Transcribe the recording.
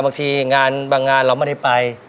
บางทีงานบางงานเราไม่ได้ไป